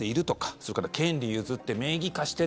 それから権利譲って、名義貸して。